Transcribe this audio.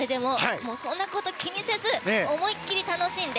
そんなこと気にせず思いっきり楽しんで。